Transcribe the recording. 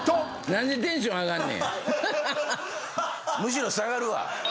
何でテンション上がんねん⁉むしろ下がるわ。